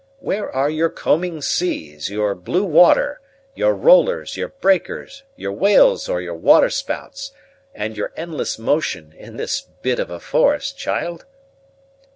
Where are your combing seas, your blue water, your rollers, your breakers, your whales, or your waterspouts, and your endless motion, in this bit of a forest, child?"